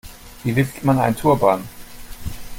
Wie wickelt man einen Turban?